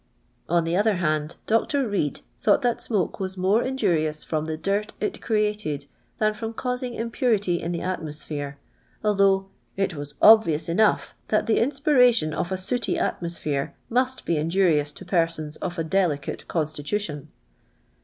On the other hand Dr. Reid thought that smoke was more injurious from the dirt it created than from causing impurity in the atmosphere, although " it was obvious enough that the inspiration of a sooty atmosphere must be injurious to persons of a delicate constitution."